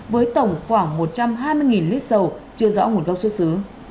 với tổng khoảng một trăm hai mươi lít dầu chưa rõ nguồn gốc xuất xứ